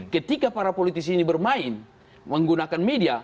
ketika para politisi ini bermain menggunakan media